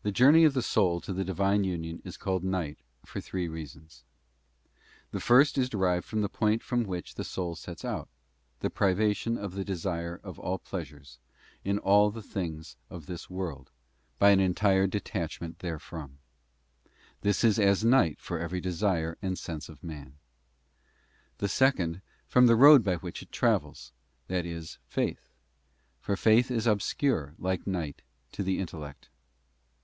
— The journey of the soul to the Thres parts Divine union is called night for three reasons. The first scure night. is derived from the point from which the soul sets out, {. 2. Faith, the privation of the desire of all pleasure in all the things *%* BOOK ae Tilustrated ad = 10 THE ASCENT OF MOUNT CARMEL. of this world, by an entire detachment therefrom. This is as night for every desire and sense of man, The second, from the road by which it travels; that is faith, for faith is obscure, like night, to the intellect.